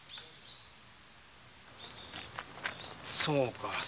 そうか